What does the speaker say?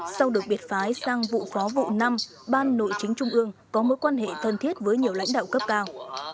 sau được biệt phái sang vụ khó vụ năm ban nội chính trung ương có mối quan hệ thân thiết với nhiều lãnh đạo cấp cao